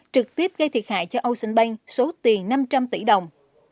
trực tiếp gây thiệt hại cho ocean bank số tiền năm trăm linh tỷ đồng